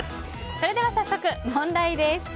それでは早速問題です。